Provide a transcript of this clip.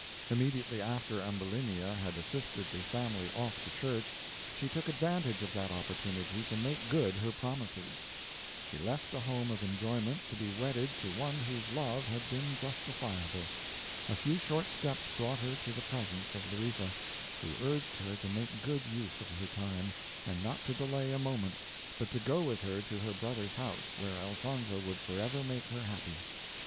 Immediately after Ambulinia had assisted the family off to church, she took advantage of that opportunity to make good her promises. She left a home of enjoyment to be wedded to one whose love had been justifiable. A few short steps brought her to the presence of Louisa, who urged her to make good use of her time, and not to delay a moment, but to go with her to her brother's house, where Elfonzo would forever make her happy.